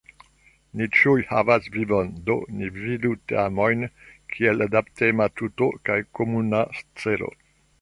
Ni ĉiuj havas vivon, do ni vidu teamojn kiel adaptema tuto kun komuna celo.